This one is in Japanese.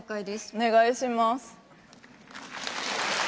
お願いします。